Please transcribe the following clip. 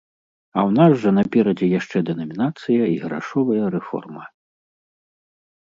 А ў нас жа наперадзе яшчэ дэнамінацыя і грашовая рэформа.